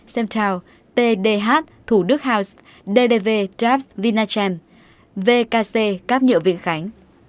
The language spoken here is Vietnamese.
semtal tdh thủ đức house ddv daps vinachem vkc cáp nhựa viện khánh